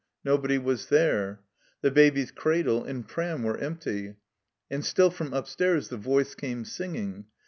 Nobody was there. The Baby's cradle and pram were empty. And still from upstairs the voice came singing.